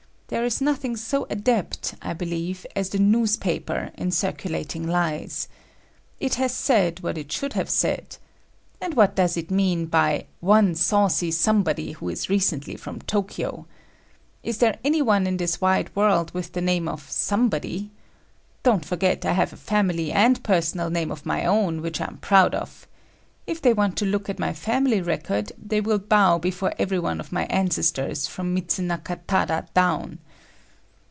There is nothing so adept, I believe, as the newspaper in circulating lies. It has said what I should have said. And what does it mean by "one saucy Somebody who is recently from Tokyo?" Is there any one in this wide world with the name of Somebody? Don't forget, I have a family and personal name of my own which I am proud of. If they want to look at my family record, they will bow before every one of my ancestors from Mitsunaka Tada down.